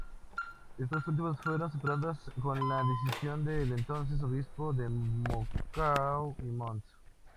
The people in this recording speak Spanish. Estas últimas fueron superadas con la decisión del entonces Obispo de Macao, Mons.